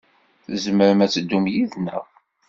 Tzemrem ad teddum yid-neɣ.